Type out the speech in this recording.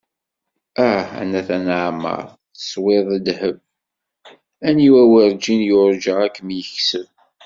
Ah! a Nna Taneɛmart, teswiḍ ddheb! Aniwa werǧin yurga ad kem-yekseb.